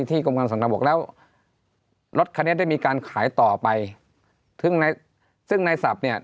กรมการสั่งการบอกแล้วรถคันนี้ได้มีการขายต่อไปซึ่งในซึ่งในศัพท์เนี่ย